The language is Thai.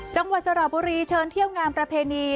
จังหวัดสระบุรีเชิญเที่ยวงานประเพณี